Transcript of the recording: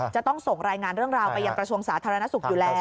จะต้องส่งรายงานเรื่องราวไปยังกระทรวงสาธารณสุขอยู่แล้ว